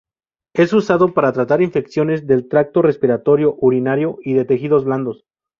Es usado para tratar infecciones del tracto respiratorio, urinario y de tejidos blandos.